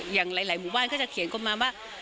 อย่างหลายหมู่บ้านก็จะเขียนกันมาว่า